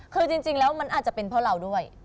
คือจริงแล้วมันอาจจะเป็นเพราะเราด้วย